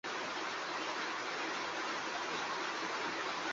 Lia esplorkampo estas la historio de scienco kaj tekniko.